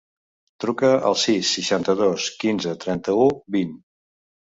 Truca al sis, seixanta-dos, quinze, trenta-u, vint.